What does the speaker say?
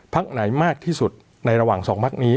ไหนมากที่สุดในระหว่างสองพักนี้